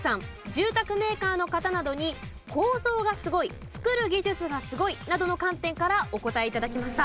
住宅メーカーの方などに構造がすごい造る技術がすごいなどの観点からお答え頂きました。